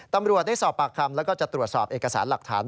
ตำรวจได้สอบปากคำแล้วก็จะตรวจสอบเอกสารหลักฐาน